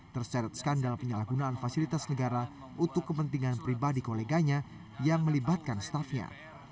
terseret skandal penyalahgunaan fasilitas negara untuk kepentingan pribadi koleganya yang melibatkan staffnya